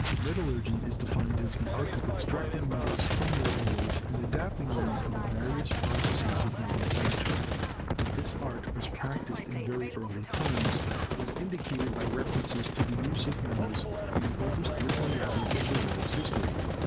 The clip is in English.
Metallurgy is defined as the art of extracting metals from their ores and adapting them to the various processes of manufacture. That this art was practiced in very early times is indicated by references to the use of metals in the oldest written records of the world's history.